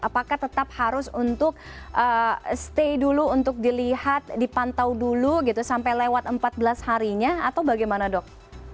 apakah tetap harus untuk stay dulu untuk dilihat dipantau dulu gitu sampai lewat empat belas harinya atau bagaimana dok